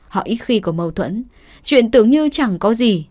họ ít khi có mâu thuẫn chuyện tưởng như chẳng có gì